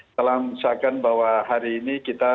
dalam disahkan bahwa hari ini kita